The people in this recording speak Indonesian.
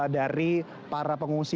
dari para pengungsi